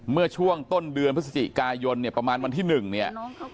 เมื่อช่วงต้นเดือนพฤศจิกายนประมาณวันที่๑